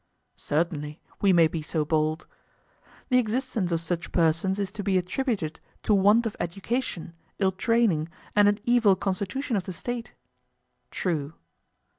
Certainly, we may be so bold. The existence of such persons is to be attributed to want of education, ill training, and an evil constitution of the State? True.